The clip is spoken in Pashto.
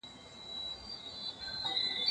له ټاکلي کچې ډېر زینک معدې ګډوډوي.